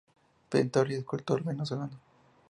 Pintor y escultor venezolano.